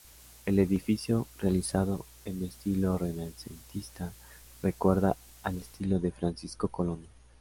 El edificio, realizado en estilo renacentista, recuerda al estilo de Francisco Colonia.